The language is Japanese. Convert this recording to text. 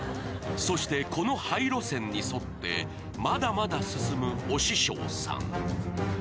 そしてこの廃路線に沿ってまだまだ進む推し匠さん